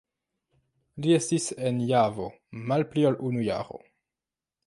Li estis en Javo mal pli ol unu jaro.